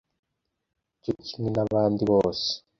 Cyo kimwe n’abandi bose